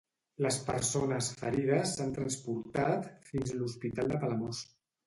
Les persones ferides s'han transportat fins l'Hospital de Palamós.